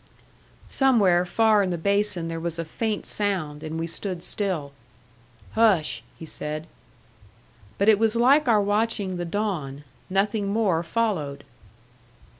Somewhere far in the basin there was a faint sound, and we stood still. "Hush!" he said. But it was like our watching the dawn; nothing more followed.